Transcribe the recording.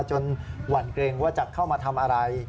หวั่นเกรงว่าจะเข้ามาทำอะไร